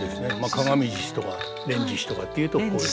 「鏡獅子」とか「連獅子」とかっていうとこういうね。